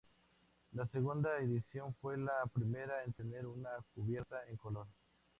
La segunda edición fue la primera en tener una cubierta en color.